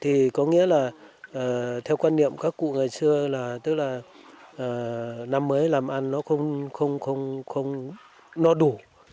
thì có nghĩa là theo quan niệm các cụ ngày xưa là tức là năm mới làm ăn nó không đủ